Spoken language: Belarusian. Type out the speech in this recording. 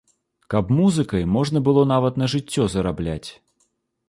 Каб музыкай можна было нават на жыццё зарабляць.